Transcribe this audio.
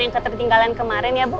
yang ketertinggalan kemarin ya bu